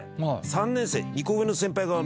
３年生２個上の先輩が。